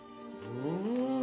うん。